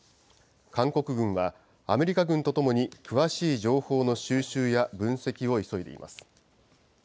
韓国軍はアメリカ軍とともに、詳しい情報の収集や、分析を急いでいます。